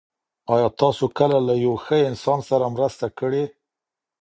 آیا تاسو کله له یو ښه انسان سره مرسته کړې؟